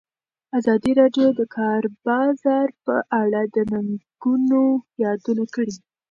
ازادي راډیو د د کار بازار په اړه د ننګونو یادونه کړې.